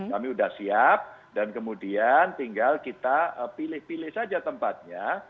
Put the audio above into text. kami sudah siap dan kemudian tinggal kita pilih pilih saja tempatnya